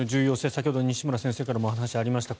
先ほど、西村先生からもお話がありました